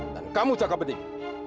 dan kamu cakap penting